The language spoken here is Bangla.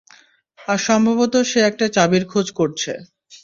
আর সম্ভবত সে একটা চাবির খোঁজ করছে?